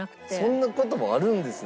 そんな事もあるんですね。